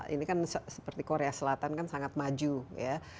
ini kan seperti korea selatan kan sangat maju ya